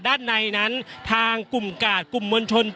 อย่างที่บอกไปว่าเรายังยึดในเรื่องของข้อ